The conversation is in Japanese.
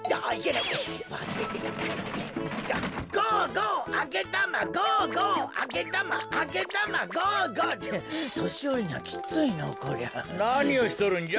なにをしとるんじゃ？